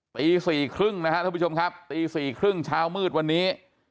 ตีสี่ครึ่งนะครับท่านผู้ชมครับตีสี่ครึ่งเช้ามืดวันนี้